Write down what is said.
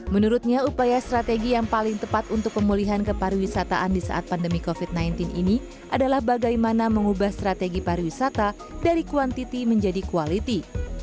menurutnya upaya strategi yang paling tepat untuk pemulihan kepariwisataan di saat pandemi covid sembilan belas ini adalah bagaimana mengubah strategi pariwisata dari kuantiti menjadi quality